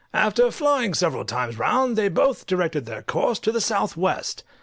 After flying several times round, they both directed their course to the south west.